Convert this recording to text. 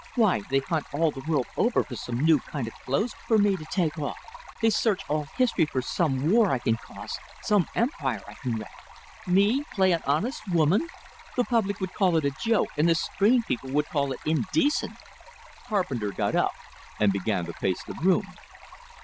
Why, they hunt all the world over for some new kind of clothes for me to take off; they search all history for some war I can cause, some empire I can wreck. Me play an honest woman? The public would call it a joke, and the screen people would call it indecent." Carpenter got up, and began to pace the room.